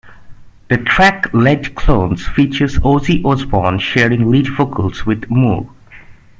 The track "Led Clones" features Ozzy Osbourne sharing lead vocals with Moore.